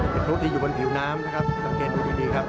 เป็นพลุที่อยู่บนผิวน้ำนะครับสังเกตดูดีครับ